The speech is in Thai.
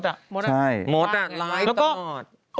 ใช่มดไลน์ตลอดแล้วก็ใช่